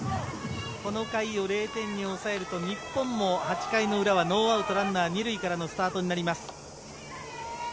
この回を０点に抑えると日本も８回の裏はノーアウト、ランナー２塁からのスタートになります。